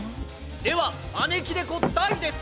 ではまねきねこ・大です。